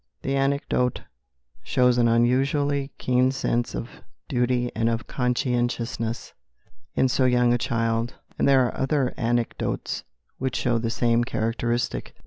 The anecdote shows an unusually keen sense of duty and of conscientiousness in so young a child, and there are other anecdotes which show the same characteristic.